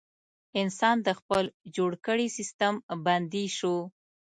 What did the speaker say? انسان د خپل جوړ کړي سیستم بندي شو.